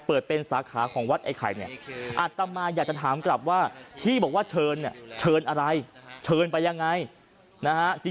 เปิดเป็นสาขาของวัดไอ้ไข่เนี่ยอัตมาอยากจะถามกลับว่าที่บอกว่าเชิญเนี่ยเชิญอะไรเชิญไปยังไงนะฮะ